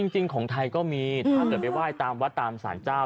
จริงของไทยก็มีถ้าเกิดไปไหว้ตามวัดตามสารเจ้า